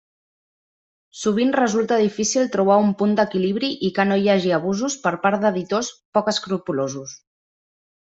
Sovint resulta difícil trobar un punt d'equilibri i que no hi hagi abusos per part d'editors poc escrupolosos.